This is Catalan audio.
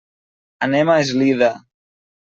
Anem a Eslida.